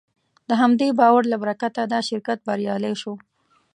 د همدې باور له برکته دا شرکت بریالی شو.